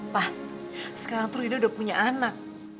pak sekarang tuh rida udah punya anak